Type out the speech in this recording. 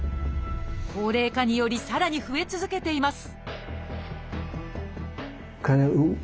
高齢化によりさらに増え続けています